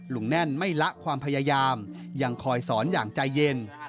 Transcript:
แน่นไม่ละความพยายามยังคอยสอนอย่างใจเย็น